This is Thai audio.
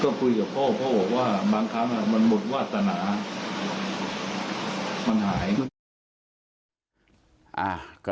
ก็คุยกับพ่อพ่อบอกว่าบางครั้งมันหมดวาสนา